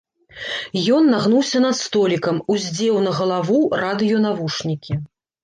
Ён нагнуўся над столікам, уздзеў на галаву радыёнавушнікі.